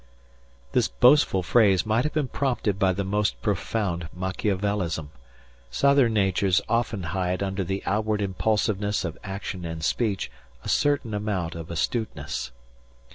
This boastful phrase might have been prompted by the most profound Machiavelism. Southern natures often hide under the outward impulsiveness of action and speech a certain amount of astuteness.